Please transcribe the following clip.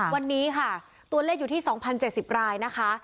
วันนี้ค่ะตัวเลขอยู่ที่๒๐๗๐รายนะคะ